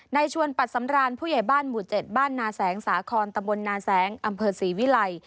ในชวนปัดสำรานผู้ใหญ่บ้านหมู่๗บ้านนาแสงสาคอนตำบลนาแสงอำเภอศรีวิลัย